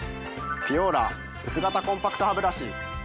ピュオーラ薄型コンパクトハブラシ。